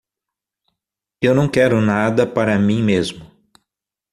Eu não quero nada para mim mesmo.